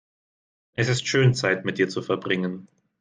Es ist schön, Zeit mit dir zu verbringen.